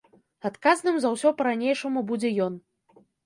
Адказным за ўсё па-ранейшаму будзе ён.